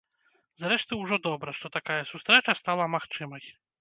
Зрэшты, ужо добра, што такая сустрэча стала магчымай.